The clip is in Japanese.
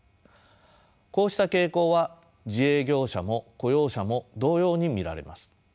こうした傾向は自営業者も雇用者も同様に見られます。